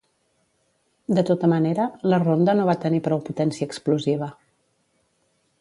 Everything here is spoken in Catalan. De tota manera, la ronda no va tenir prou potència explosiva.